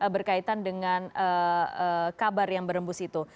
berkaitan dengan kabar yang berembus itu